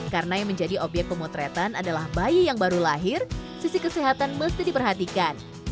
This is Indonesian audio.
karena yang menjadi objek pemotretan adalah bayi yang baru lahir sisi kesehatan mesti diperhatikan